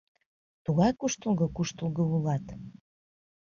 — Тугай куштылго-куштылго улат...